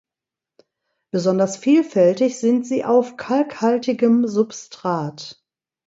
Besonders vielfältig sind sie auf kalkhaltigem Substrat.